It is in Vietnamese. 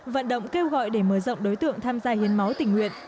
vận động kêu gọi để mở rộng đối tượng tham gia hiến máu tình nguyện